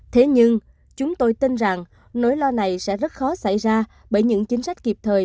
thế nhưng chúng tôi tin rằng nỗi lo này sẽ rất khó xảy ra bởi những chính sách kịp thời